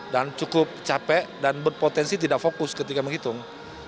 dan cukup capek dan berpotensi tidak fokus ketika menghitung